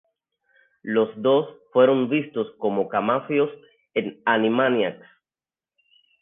Los dos fueron vistos como camafeos en Animaniacs.